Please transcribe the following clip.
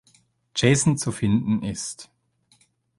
Jason" zu finden ist.